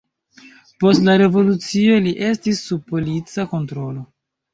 Post la Revolucio li estis sub polica kontrolo.